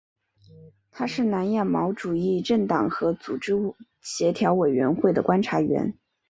它是南亚毛主义政党和组织协调委员会的观察员。